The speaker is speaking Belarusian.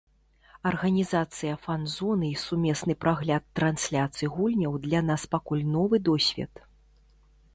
Арганізацыя фан-зоны і сумесны прагляд трансляцый гульняў для нас пакуль новы досвед.